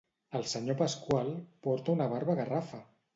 El senyor Pasqual porta una barba garrafal